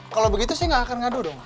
kalau begitu saya gak akan ngadu dong